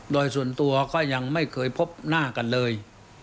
โดยส่วนตัวก็ยังไม่เคยพบหน้ากันเลย